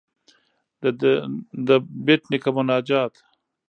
ددبېټ نيکه مناجات.